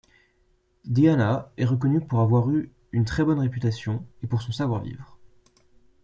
Diana est reconnue pour avoir eu une très bonne réputation et pour son savoir-vivre.